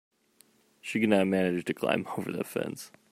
She could not manage to climb over the fence.